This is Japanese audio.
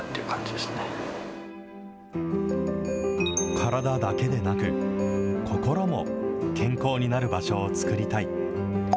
体だけでなく、心も健康になる場所を作りたい。